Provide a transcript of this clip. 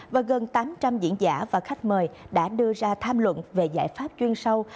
và gần tám trăm linh diễn giả và khách mời đã đưa ra tham luận về giải pháp chuyên sâu